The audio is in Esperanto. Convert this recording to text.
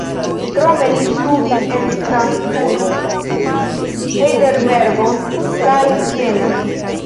Krome li studis en Strasburgo, Hajdelbergo kaj Jena.